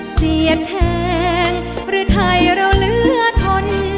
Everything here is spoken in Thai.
เสียแทงพฤทัยเราเหลือทน